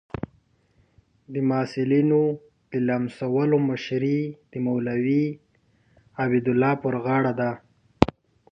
د محصلینو د لمسولو مشري د مولوي عبیدالله پر غاړه ده.